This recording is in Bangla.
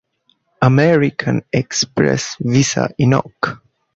American Express, Visa ink.